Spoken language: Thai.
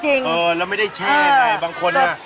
เออแล้วไม่ได้ชี้ไปบางคนอ่ะ